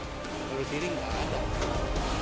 kalau di sini nggak ada